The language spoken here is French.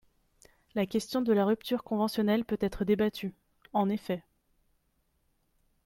La question de la rupture conventionnelle peut être débattue, En effet